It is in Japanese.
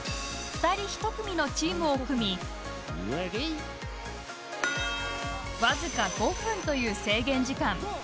２人１組のチームを組みわずか５分という制限時間。